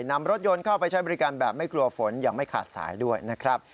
นำรถยนต์เข้าไปใช้บริการแบบไม่กลัวฝนอย่างไม่ขาดสายด้วยนะครับ